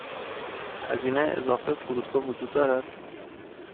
هزینه اضافه فرودگاه وجود دارد.